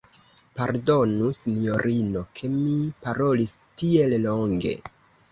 Pardonu, sinjorino, ke mi parolis tiel longe.